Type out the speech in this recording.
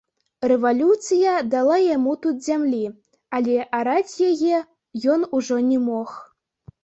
Рэвалюцыя дала яму тут зямлі, але араць яе ён ужо не мог.